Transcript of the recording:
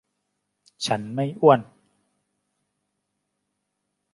ฉันไม่อ้วน